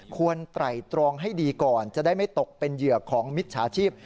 ไตรตรองให้ดีก่อนจะได้ไม่ตกเป็นเหยื่อของมิจฉาชีพ